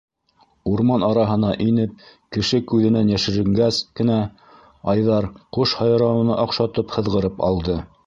Урман араһына инеп, кеше күҙенән йәшеренгәс кенә, Айҙар, ҡош һайрауына оҡшатып, һыҙғырып алды.